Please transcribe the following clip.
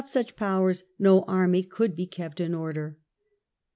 Without such powers no army could be kept in order.